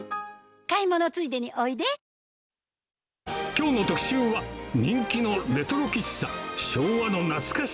きょうの特集は、人気のレトロ喫茶。